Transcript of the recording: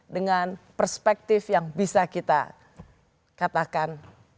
dengan perspektif yang bisa kita katakan